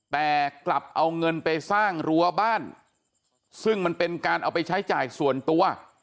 แต่กลับเอาเงินไปสร้างรั้วบ้านซึ่งมันเป็นการเอาไปใช้จ่ายส่วนตัว